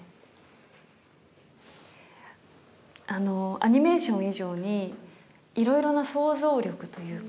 アニメーション以上に色々な想像力というか。